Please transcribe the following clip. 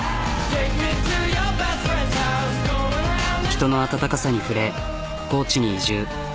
人の温かさに触れ高知に移住。